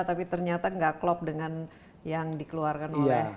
tapi ternyata nggak klop dengan yang dikeluarkan oleh